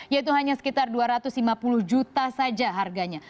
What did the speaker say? yaitu hanya sekitar dua ratus lima puluh juta saja harganya